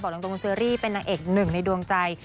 บอกลงตรงคุณเชอรี่เป็นนักเอกหนึ่งในดวงใจ